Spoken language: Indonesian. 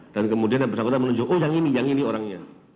dan kemudian yang bersangkutan menunjukkan oh yang ini orangnya